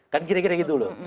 kan kira kira gitu loh